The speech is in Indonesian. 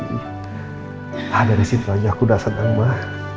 nah dari situ aja aku udah senang mah